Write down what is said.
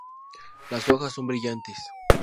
Las hojas son brillantes.